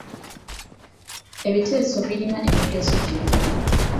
Ebiteeso birina emigaso gino.